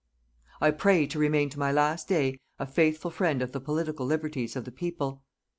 I pray to remain to my last day a faithful friend of the political liberties of the people.